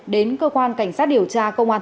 đến cơ quan cảnh sát điều tra công an